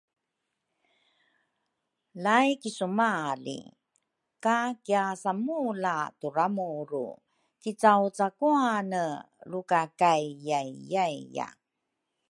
laikisumali ka kiasamula turamuru kicawcakuane lukakaiyaiyaiya